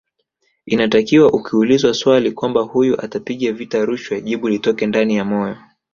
Inatakiwa ukiulizwa swali kwamba huyu atapiga vita rushwa jibu litoke ndani ya moyo